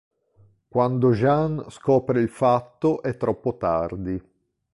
Quando Jean scopre il fatto, è troppo tardi.